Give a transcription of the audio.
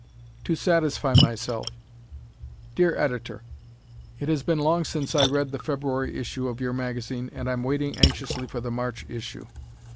"To Satisfy Myself" Dear Editor: It has been long since I read the February issue of your magazine and I'm waiting anxiously for the March issue.